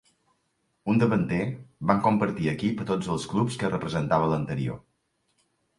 Un davanter, van compartir equip a tots els clubs que representava l'anterior.